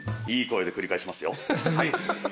いい声で繰り返しますよ。